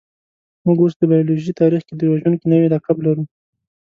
موږ اوس د بایولوژۍ تاریخ کې د وژونکي نوعې لقب لرو.